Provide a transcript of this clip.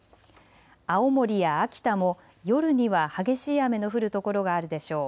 青森や秋田も夜には激しい雨の降る所があるでしょう。